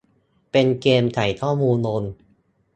เป็นเกมส์ใส่ข้อมูลลง